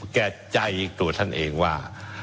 แก่ใจตัวท่านเองว่า